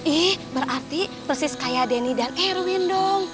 ih berarti persis kayak denny dan erwin dong